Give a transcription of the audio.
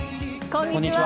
こんにちは。